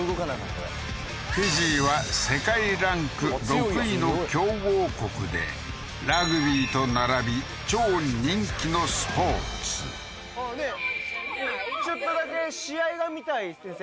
これフィジーは世界ランク６位の強豪国でラグビーと並び超人気のスポーツちょっとだけ試合が見たい先生